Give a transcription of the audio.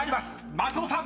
松尾さん］